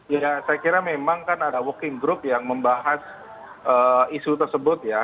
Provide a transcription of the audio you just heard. ya saya kira memang kan ada working group yang membahas isu tersebut ya